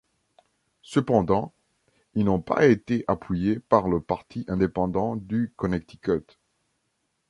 Cependant, ils n'ont pas été appuyés par le Parti Indépendant du Connecticut.